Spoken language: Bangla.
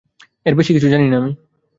এর বেশি কিছু জানি না।